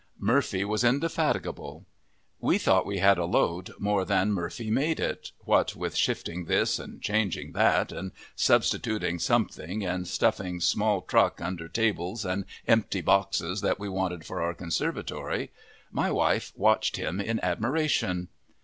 Murphy was indefatigable. We thought we had a load more than Murphy made it, what with shifting this and changing that, and substituting something and stuffing small truck under tables and empty boxes that we wanted for our conservatory. My wife watched him in admiration.